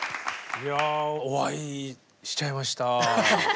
いやお会いしちゃいました。